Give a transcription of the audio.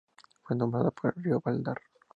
Fue nombrada por el río Vardar.